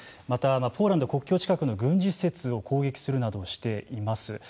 また、ポーランド国境近くの軍事施設を攻撃するなどしています。